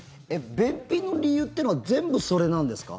便秘の理由っていうのは全部それなんですか？